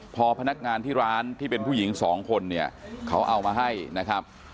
พอพนักงานที่ร้านที่เป็นผู้หญิงสองคนเนี่ยเขาเอามาให้นะครับ